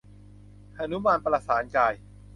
หนุมานประสานกาย